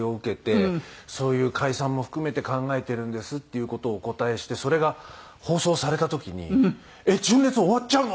そういう「解散も含めて考えているんです」っていう事をお答えしてそれが放送された時に「えっ！純烈終わっちゃうの？」